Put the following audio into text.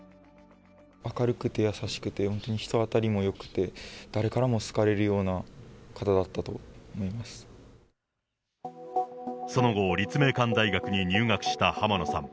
明るくて優しくて、本当に人あたりもよくて、誰からも好かれるような方だったと思いその後、立命館大学に入学した浜野さん。